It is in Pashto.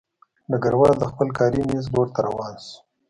ډګروال د خپل کاري مېز لور ته روان شو